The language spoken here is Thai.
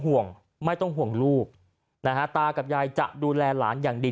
ห่วงไม่ต้องห่วงลูกนะฮะตากับยายจะดูแลหลานอย่างดี